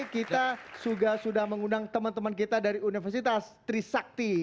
kita sudah mengundang teman teman kita dari universitas trisakti